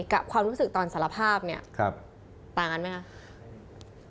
กับความรู้สึกตอนสารภาพต่างันไหมครับ